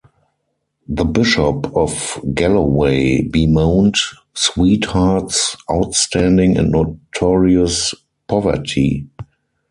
The Bishop of Galloway bemoaned Sweetheart's "outstanding and notorious poverty".